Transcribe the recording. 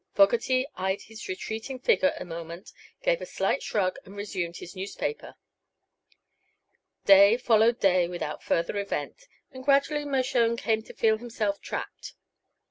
Fogerty eyed his retreating figure a moment, gave a slight shrug and resumed his newspaper. Day followed day without further event, and gradually Mershone came to feel himself trapped.